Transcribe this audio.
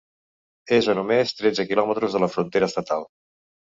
És a només tretze quilòmetres de la frontera estatal.